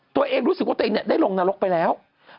ตัวเองรู้สึกว่าตัวเองได้ลงนรกไปแล้ว